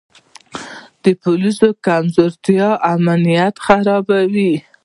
د پولیسو کمزوري امنیت خرابوي.